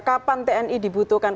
kapan tni dibutuhkan